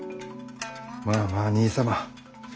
まあまあ兄様。